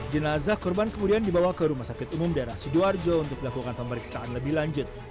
jenazah korban kemudian dibawa ke rumah sakit umum daerah sidoarjo untuk dilakukan pemeriksaan lebih lanjut